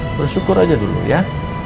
bersyukur aja dulu ya